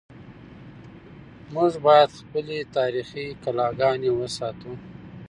موږ باید خپلې تاریخي کلاګانې وساتو.